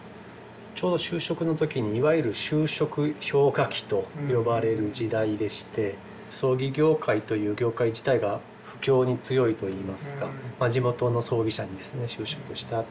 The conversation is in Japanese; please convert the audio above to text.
ちょうど就職の時にいわゆる就職氷河期と呼ばれる時代でして葬儀業界という業界自体が不況に強いといいますか地元の葬儀社にですね就職したと。